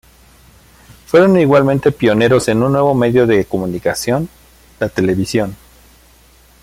Fueron igualmente pioneros en un nuevo medio de comunicación: la televisión.